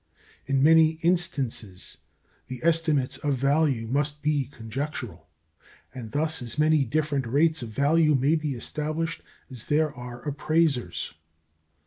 In many instances the estimates of value must be conjectural, and thus as many different rates of value may be established as there are appraisers.